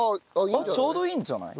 ちょうどいいんじゃない？